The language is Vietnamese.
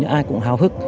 hầu như ai cũng hào hức